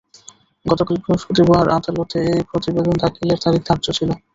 গতকাল বৃহস্পতিবার আদালতে ওই প্রতিবেদন দাখিলের তারিখ ধার্য ছিল।